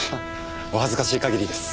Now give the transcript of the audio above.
お恥ずかしい限りです。